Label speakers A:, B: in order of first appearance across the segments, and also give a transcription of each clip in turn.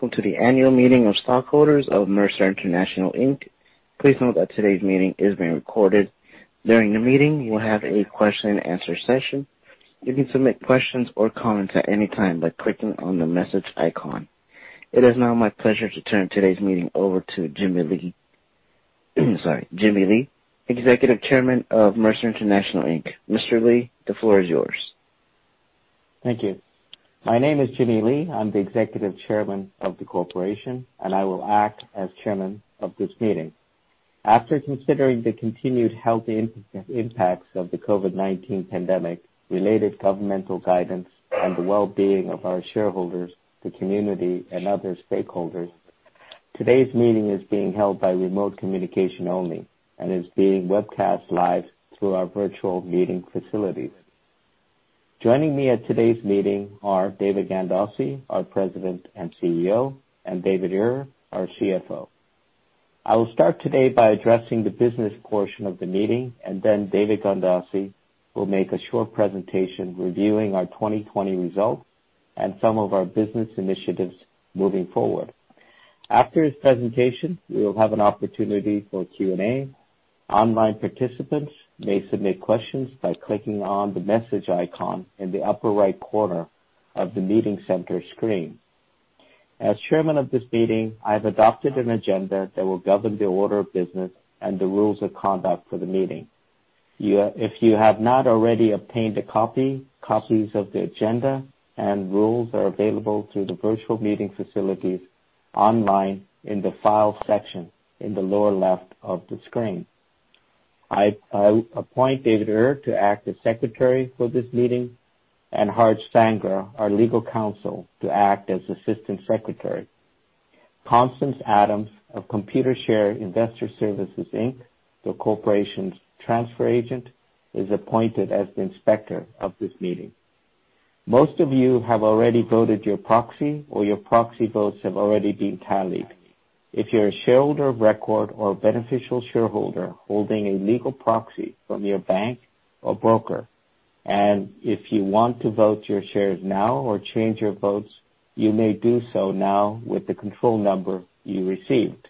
A: Hello, and welcome to the annual meeting of stockholders of Mercer International Inc. Please note that today's meeting is being recorded. During the meeting, we will have a question-and-answer session. You can submit questions or comments at any time by clicking on the message icon. It is now my pleasure to turn today's meeting over to Jimmy Lee. Sorry, Jimmy Lee, Executive Chairman of Mercer International Inc. Mr. Lee, the floor is yours.
B: Thank you. My name is Jimmy Lee. I'm the Executive Chairman of the corporation, and I will act as Chairman of this meeting. After considering the continued health impacts of the COVID-19 pandemic, related governmental guidance, and the well-being of our shareholders, the community, and other stakeholders, today's meeting is being held by remote communication only and is being webcast live through our virtual meeting facilities. Joining me at today's meeting are David Gandossi, our President and CEO, and David Ure, our CFO. I will start today by addressing the business portion of the meeting, and then David Gandossi will make a short presentation reviewing our 2020 results and some of our business initiatives moving forward. After his presentation, we will have an opportunity for Q&A. Online participants may submit questions by clicking on the message icon in the upper right corner of the meeting center screen. As Chairman of this meeting, I have adopted an agenda that will govern the order of business and the rules of conduct for the meeting. If you have not already obtained a copy, copies of the agenda and rules are available through the virtual meeting facilities online in the file section in the lower left of the screen. I appoint David Ure to act as Secretary for this meeting and Harj Sangra, our Legal Counsel, to act as Assistant Secretary. Constance Adams of Computershare Investor Services Inc., the corporation's transfer agent, is appointed as the Inspector of this meeting. Most of you have already voted your proxy, or your proxy votes have already been tallied. If you're a shareholder of record or beneficial shareholder holding a legal proxy from your bank or broker, and if you want to vote your shares now or change your votes, you may do so now with the control number you received.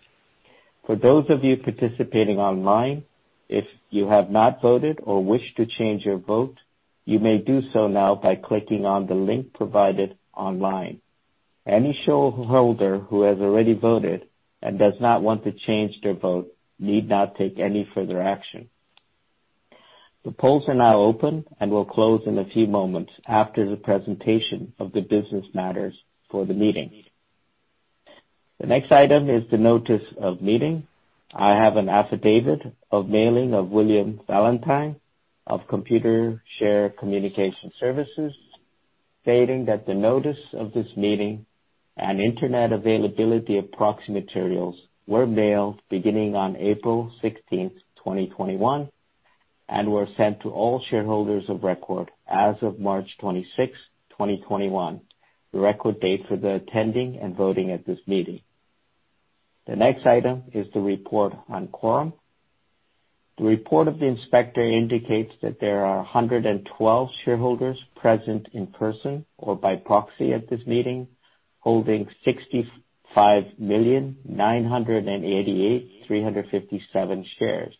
B: For those of you participating online, if you have not voted or wish to change your vote, you may do so now by clicking on the link provided online. Any shareholder who has already voted and does not want to change their vote need not take any further action. The polls are now open and will close in a few moments after the presentation of the business matters for the meeting. The next item is the notice of meeting. I have an affidavit of mailing of William Valentine of Computershare Communication Services stating that the notice of this meeting and internet availability of proxy materials were mailed beginning on April 16th, 2021, and were sent to all shareholders of record as of March 26th, 2021, the record date for the attending and voting at this meeting. The next item is the report on quorum. The report of the Inspector indicates that there are 112 shareholders present in person or by proxy at this meeting holding 65,988,357 shares,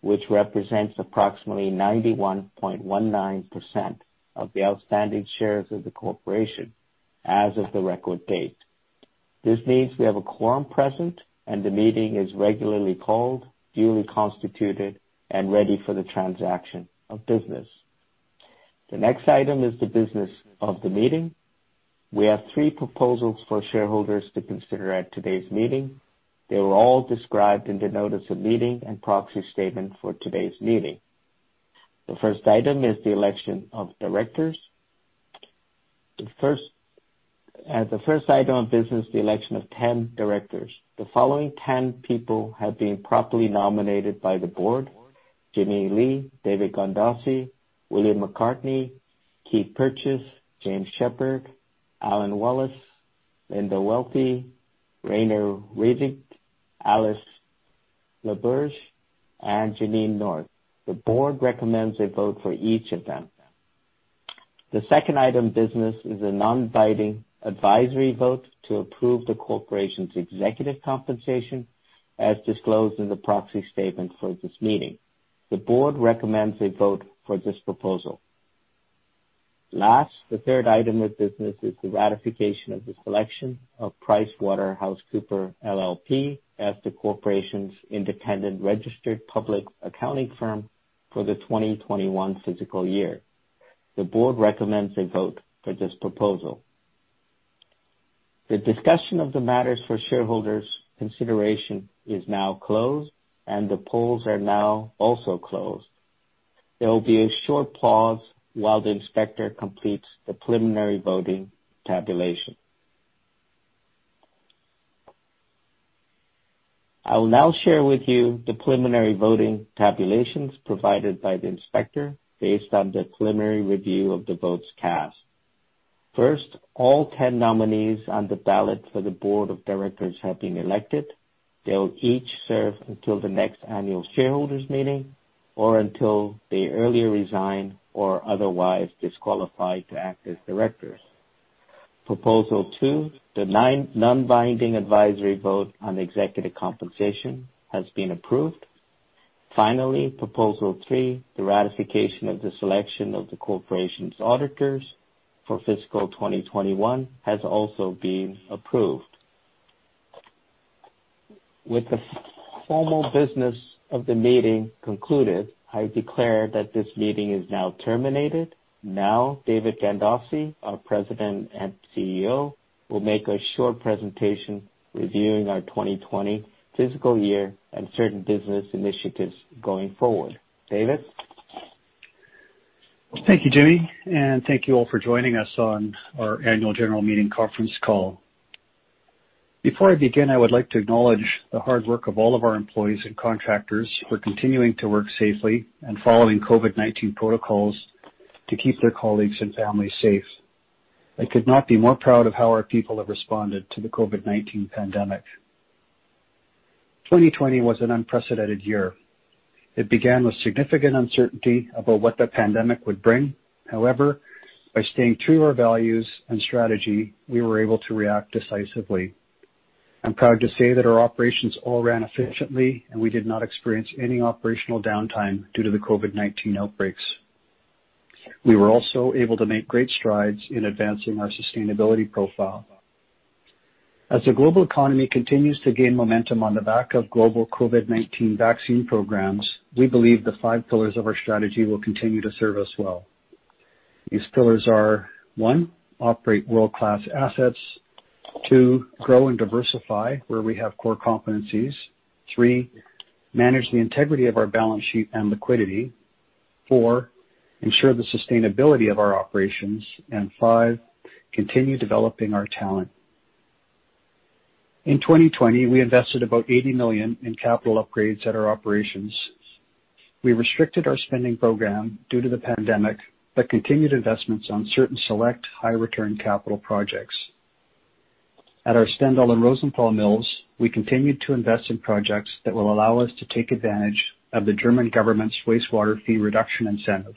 B: which represents approximately 91.19% of the outstanding shares of the corporation as of the record date. This means we have a quorum present, and the meeting is regularly called, duly constituted, and ready for the transaction of business. The next item is the business of the meeting. We have three proposals for shareholders to consider at today's meeting. They were all described in the notice of meeting and proxy statement for today's meeting. The first item is the election of directors. The first item of business is the election of 10 directors. The following 10 people have been properly nominated by the board: Jimmy Lee, David Gandossi, William McCartney, Keith Purchase, James Shepherd, Alan Wallace, Linda Welty, Rainer Rettig, Alice Laberge, and Janine North. The board recommends a vote for each of them. The second item of business is a non-binding advisory vote to approve the corporation's executive compensation as disclosed in the proxy statement for this meeting. The board recommends a vote for this proposal. Last, the third item of business is the ratification of the selection of PricewaterhouseCoopers LLP as the corporation's independent registered public accounting firm for the 2021 fiscal year. The board recommends a vote for this proposal. The discussion of the matters for shareholders' consideration is now closed, and the polls are now also closed. There will be a short pause while the Inspector completes the preliminary voting tabulation. I will now share with you the preliminary voting tabulations provided by the Inspector based on the preliminary review of the votes cast. First, all 10 nominees on the ballot for the board of directors have been elected. They will each serve until the next annual shareholders' meeting or until they earlier resign or otherwise disqualify to act as directors. Proposal two, the non-binding advisory vote on executive compensation, has been approved. Finally, proposal three, the ratification of the selection of the corporation's auditors for fiscal 2021 has also been approved. With the formal business of the meeting concluded, I declare that this meeting is now terminated. Now, David Gandossi, our President and CEO, will make a short presentation reviewing our 2020 fiscal year and certain business initiatives going forward. David?
C: Thank you, Jimmy, and thank you all for joining us on our annual general meeting conference call. Before I begin, I would like to acknowledge the hard work of all of our employees and contractors for continuing to work safely and following COVID-19 protocols to keep their colleagues and families safe. I could not be more proud of how our people have responded to the COVID-19 pandemic. 2020 was an unprecedented year. It began with significant uncertainty about what the pandemic would bring. However, by staying true to our values and strategy, we were able to react decisively. I'm proud to say that our operations all ran efficiently, and we did not experience any operational downtime due to the COVID-19 outbreaks. We were also able to make great strides in advancing our sustainability profile. As the global economy continues to gain momentum on the back of global COVID-19 vaccine programs, we believe the five pillars of our strategy will continue to serve us well. These pillars are: one, operate world-class assets, two, grow and diversify where we have core competencies, three, manage the integrity of our balance sheet and liquidity, four, ensure the sustainability of our operations, and five, continue developing our talent. In 2020, we invested about $80 million in capital upgrades at our operations. We restricted our spending program due to the pandemic but continued investments on certain select high-return capital projects. At our Stendal and Rosenthal mills, we continued to invest in projects that will allow us to take advantage of the German government's wastewater fee reduction incentive,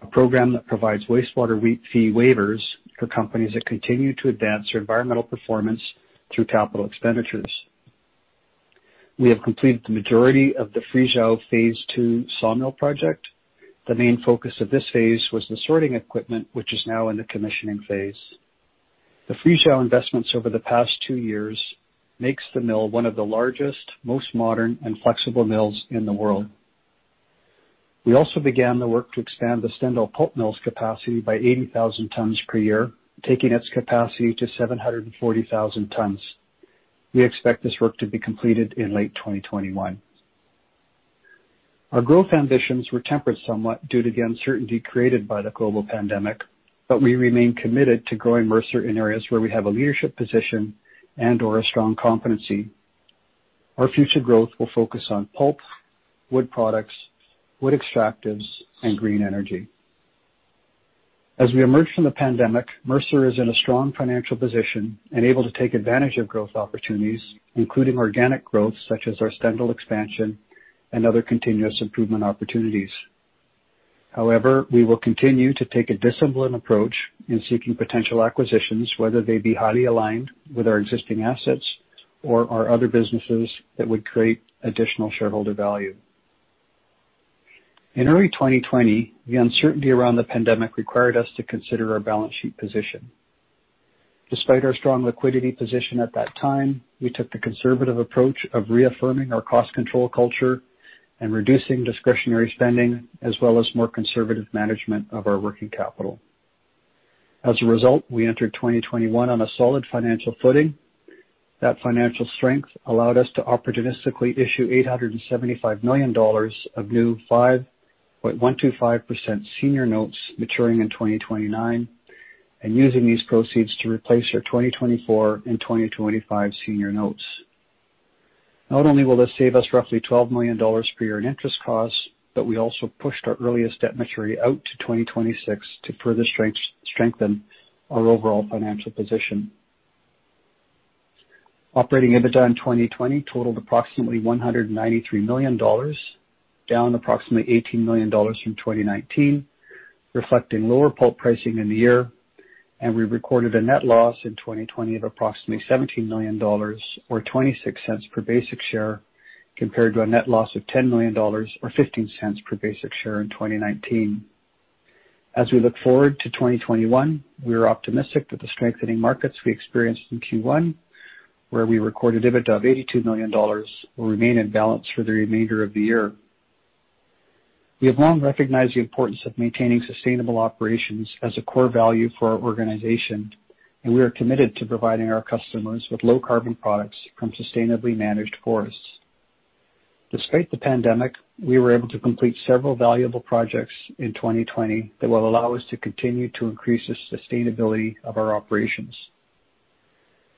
C: a program that provides wastewater fee waivers for companies that continue to advance their environmental performance through capital expenditures. We have completed the majority of the Friesau Phase II sawmill project. The main focus of this phase was the sorting equipment, which is now in the commissioning phase. The Friesau investments over the past two years make the mill one of the largest, most modern, and flexible mills in the world. We also began the work to expand the Stendal pulp mill's capacity by 80,000 tons per year, taking its capacity to 740,000 tons. We expect this work to be completed in late 2021. Our growth ambitions were tempered somewhat due to the uncertainty created by the global pandemic, but we remain committed to growing Mercer in areas where we have a leadership position and/or a strong competency. Our future growth will focus on pulp, wood products, wood extractives, and green energy. As we emerge from the pandemic, Mercer is in a strong financial position and able to take advantage of growth opportunities, including organic growth such as our Stendal expansion and other continuous improvement opportunities. However, we will continue to take a disciplined approach in seeking potential acquisitions, whether they be highly aligned with our existing assets or our other businesses that would create additional shareholder value. In early 2020, the uncertainty around the pandemic required us to consider our balance sheet position. Despite our strong liquidity position at that time, we took the conservative approach of reaffirming our cost control culture and reducing discretionary spending, as well as more conservative management of our working capital. As a result, we entered 2021 on a solid financial footing. That financial strength allowed us to opportunistically issue $875 million of new 5.125% senior notes maturing in 2029 and using these proceeds to replace our 2024 and 2025 senior notes. Not only will this save us roughly $12 million per year in interest costs, but we also pushed our earliest debt maturity out to 2026 to further strengthen our overall financial position. Operating EBITDA in 2020 totaled approximately $193 million, down approximately $18 million from 2019, reflecting lower pulp pricing in the year, and we recorded a net loss in 2020 of approximately $17 million or 26 cents per basic share compared to a net loss of $10 million or 15 cents per basic share in 2019. As we look forward to 2021, we are optimistic that the strengthening markets we experienced in Q1, where we recorded EBITDA of $82 million, will remain in balance for the remainder of the year. We have long recognized the importance of maintaining sustainable operations as a core value for our organization, and we are committed to providing our customers with low-carbon products from sustainably managed forests. Despite the pandemic, we were able to complete several valuable projects in 2020 that will allow us to continue to increase the sustainability of our operations.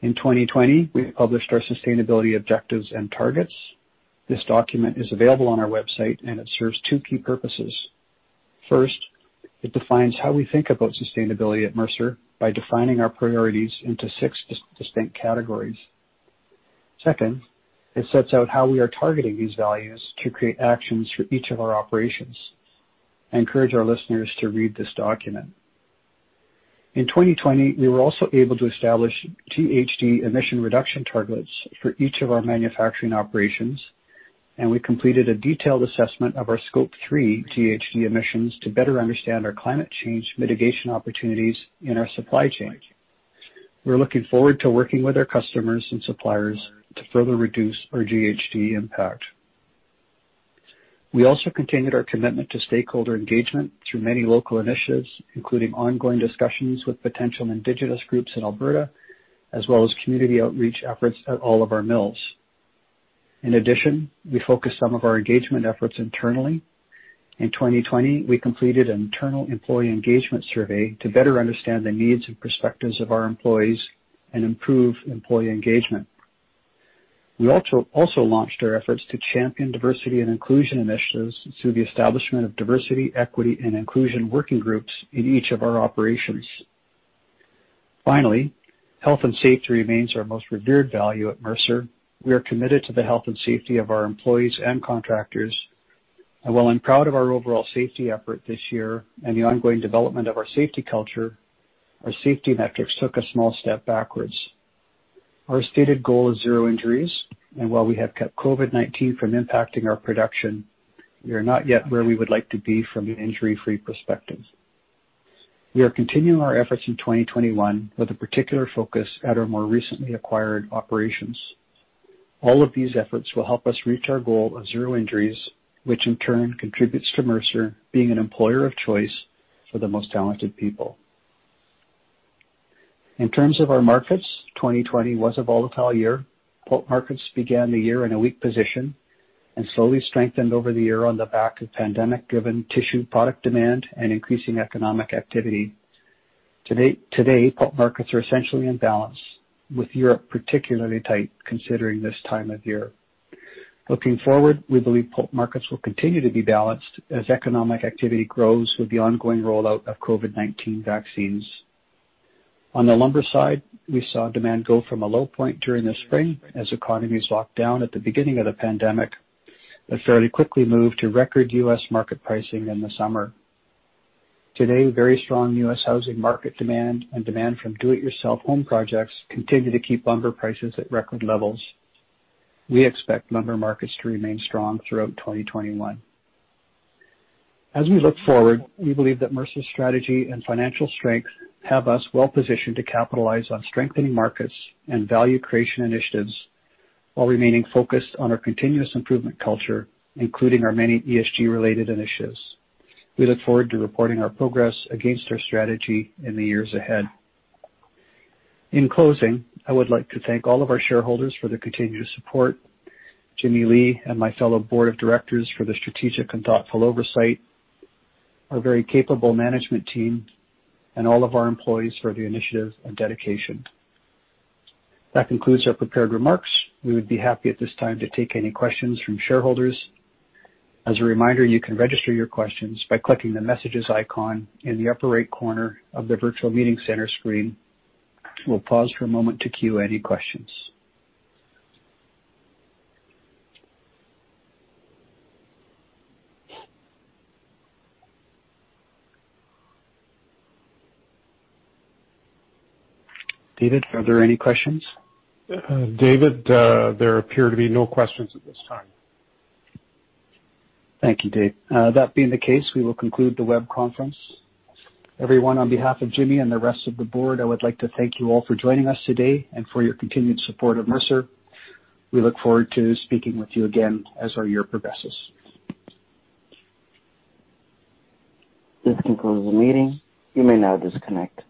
C: In 2020, we published our sustainability objectives and targets. This document is available on our website, and it serves two key purposes. First, it defines how we think about sustainability at Mercer by defining our priorities into six distinct categories. Second, it sets out how we are targeting these values to create actions for each of our operations. I encourage our listeners to read this document. In 2020, we were also able to establish GHG emission reduction targets for each of our manufacturing operations, and we completed a detailed assessment of our Scope 3 GHG emissions to better understand our climate change mitigation opportunities in our supply chain. We're looking forward to working with our customers and suppliers to further reduce our GHG impact. We also continued our commitment to stakeholder engagement through many local initiatives, including ongoing discussions with potential indigenous groups in Alberta, as well as community outreach efforts at all of our mills. In addition, we focused some of our engagement efforts internally. In 2020, we completed an internal employee engagement survey to better understand the needs and perspectives of our employees and improve employee engagement. We also launched our efforts to champion diversity and inclusion initiatives through the establishment of diversity, equity, and inclusion working groups in each of our operations. Finally, health and safety remains our most revered value at Mercer. We are committed to the health and safety of our employees and contractors. And while I'm proud of our overall safety effort this year and the ongoing development of our safety culture, our safety metrics took a small step backwards. Our stated goal is zero injuries, and while we have kept COVID-19 from impacting our production, we are not yet where we would like to be from an injury-free perspective. We are continuing our efforts in 2021 with a particular focus at our more recently acquired operations. All of these efforts will help us reach our goal of zero injuries, which in turn contributes to Mercer being an employer of choice for the most talented people. In terms of our markets, 2020 was a volatile year. Pulp markets began the year in a weak position and slowly strengthened over the year on the back of pandemic-driven tissue product demand and increasing economic activity. Today, pulp markets are essentially in balance, with Europe particularly tight considering this time of year. Looking forward, we believe pulp markets will continue to be balanced as economic activity grows with the ongoing rollout of COVID-19 vaccines. On the lumber side, we saw demand go from a low point during the spring as economies locked down at the beginning of the pandemic but fairly quickly moved to record U.S. market pricing in the summer. Today, very strong U.S. Housing market demand and demand from do-it-yourself home projects continue to keep lumber prices at record levels. We expect lumber markets to remain strong throughout 2021. As we look forward, we believe that Mercer's strategy and financial strength have us well-positioned to capitalize on strengthening markets and value creation initiatives while remaining focused on our continuous improvement culture, including our many ESG-related initiatives. We look forward to reporting our progress against our strategy in the years ahead. In closing, I would like to thank all of our shareholders for their continued support, Jimmy Lee and my fellow board of directors for the strategic and thoughtful oversight, our very capable management team, and all of our employees for the initiative and dedication. That concludes our prepared remarks. We would be happy at this time to take any questions from shareholders. As a reminder, you can register your questions by clicking the messages icon in the upper right corner of the virtual meeting center screen. We'll pause for a moment to queue any questions. David, are there any questions?
D: David, there appear to be no questions at this time.
C: Thank you, Dave. That being the case, we will conclude the web conference. Everyone, on behalf of Jimmy and the rest of the board, I would like to thank you all for joining us today and for your continued support of Mercer. We look forward to speaking with you again as our year progresses.
A: This concludes the meeting. You may now disconnect.